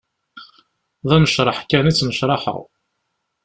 D anecreḥ kan i ttnecraḥeɣ.